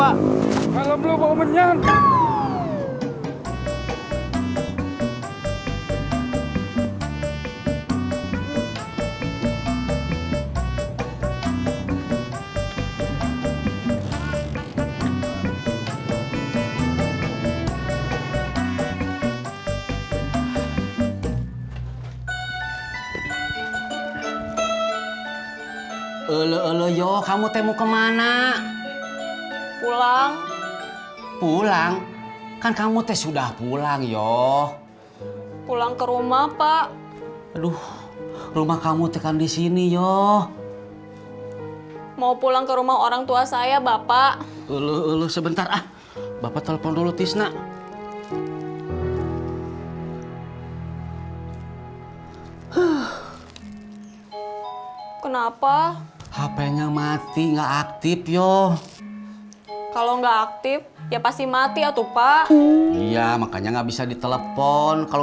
sampai jumpa di video selanjutnya